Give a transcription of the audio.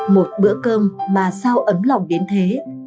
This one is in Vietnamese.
một bữa cơm mà sao ấm lòng đến thế